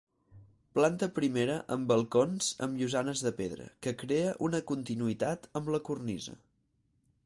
Planta primera amb balcons, amb llosanes de pedra, que crea una continuïtat amb la cornisa.